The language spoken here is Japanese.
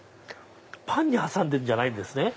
パンに挟んでるんじゃないですね。